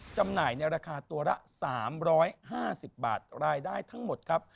จำหน่ายในราคาตัวละ๓๕๐บาทรายได้ทั้งหมดครับ